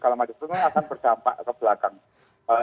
itu akan berdampak ke belakang